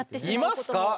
いますか？